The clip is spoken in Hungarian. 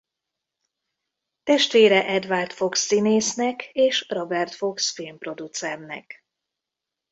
Testvére Edward Fox színésznek és Robert Fox filmproducernek.